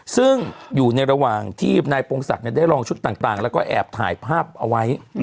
ซึ่งอยู่ในระหว่างที่นายพงศักดิ์ได้ลองชุดต่างแล้วก็แอบถ่ายภาพเอาไว้